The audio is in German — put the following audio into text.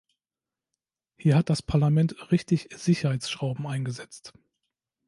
Hier hat das Parlament richtig Sicherheitsschrauben eingesetzt.